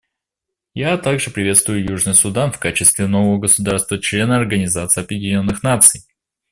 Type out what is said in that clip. Я также приветствую Южный Судан в качестве нового государства-члена Организации Объединенных Наций.